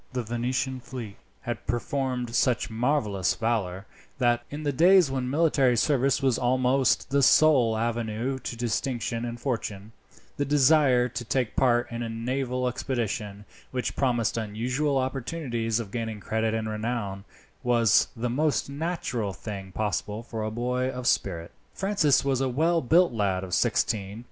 The Venetian fleet had performed such marvels of valour, that, in the days when military service was almost the sole avenue to distinction and fortune, the desire to take part in a naval expedition, which promised unusual opportunities of gaining credit and renown, was the most natural thing possible for a boy of spirit. Francis was a well built lad of nearly sixteen.